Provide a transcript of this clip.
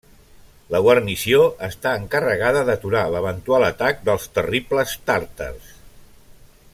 La guarnició està encarregada d'aturar l'eventual atac dels terribles tàrtars.